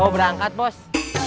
mau berangkat bos